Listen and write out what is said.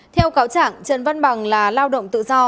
theo cáo chẳng văn bằng là lao động tự do